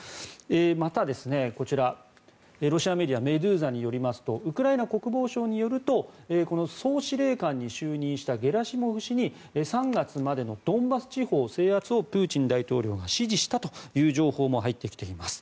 またこちら、ロシアメディアメドゥーザによりますとウクライナ国防省によると総司令官に就任したゲラシモフ氏に３月までのドンバス地方制圧をプーチン大統領が指示したという情報も入ってきています。